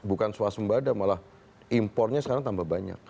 bukan suas sembada malah impornya sekarang tambah banyak